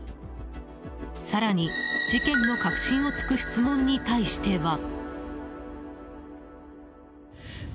更に、事件の核心を突く質問に対しては。